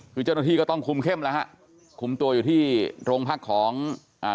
คือเจ้าหน้าที่ก็ต้องคุมเข้มแล้วฮะคุมตัวอยู่ที่โรงพักของอ่า